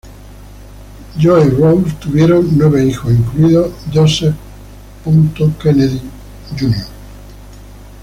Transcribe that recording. Joe y Rose tuvieron nueve hijos, incluidos Joseph P. Kennedy, Jr.